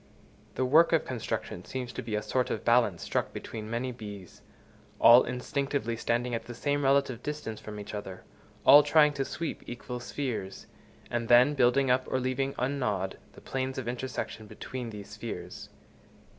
The work of construction seems to be a sort of balance struck between many bees, all instinctively standing at the same relative distance from each other, all trying to sweep equal spheres, and then building up, or leaving ungnawed, the planes of intersection between these spheres.